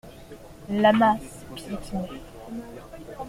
La masse piétinait.